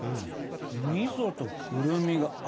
みそとくるみが合うね。